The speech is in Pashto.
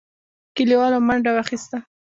کليوالو منډه واخيسته.